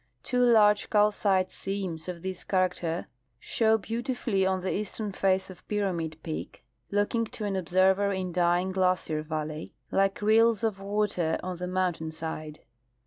Tavo large calcite seams of this character show beautifully on the eastern face of Pyramid peak, looking, to an observer in Dying glacier valley, like rills of water on the mountain side.